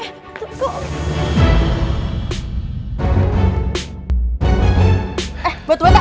aduh berat banget